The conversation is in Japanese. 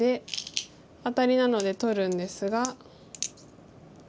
アタリなので取るんですが。